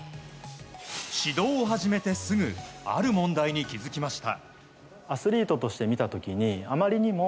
指導を始めてすぐある問題に気付きました。